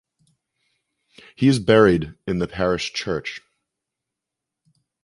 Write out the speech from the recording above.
He is buried in the parish church.